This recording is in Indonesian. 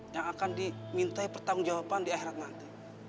yang akan dimintai pertanggung jawaban di akhirat nanti